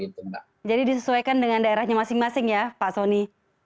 jadi disesuaikan dengan daerahnya masing masing ya pak soni